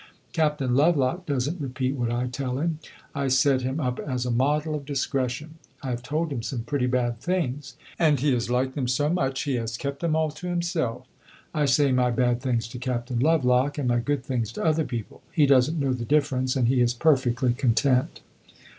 Captain Lovelock does n't repeat what I tell him; I set him up as a model of discretion. I have told him some pretty bad things, and he has liked them so much he has kept them all to himself. I say my bad things to Captain Lovelock, and my good things to other people; he does n't know the difference and he is perfectly content."